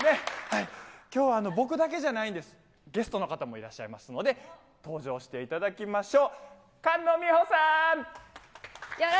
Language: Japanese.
きょうは僕だけじゃないんです、ゲストの方もいらっしゃいますので、登場していただきましょう。